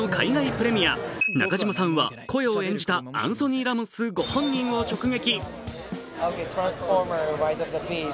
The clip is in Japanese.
プレミア中島さんは声を演じたアンソニー・ラモスご本人を直撃。